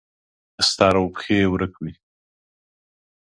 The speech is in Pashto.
سر او پښې یې ورک وي.